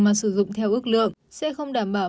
mà sử dụng theo ước lượng sẽ không đảm bảo